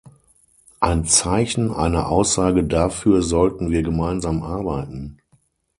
Ein Zeichen, eine Aussage dafür sollten wir gemeinsam arbeiten.